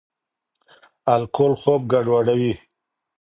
الکول خوب ګډوډوي.